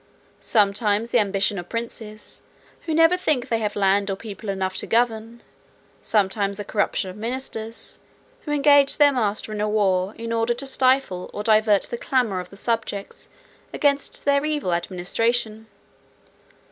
Sometimes the ambition of princes, who never think they have land or people enough to govern; sometimes the corruption of ministers, who engage their master in a war, in order to stifle or divert the clamour of the subjects against their evil administration.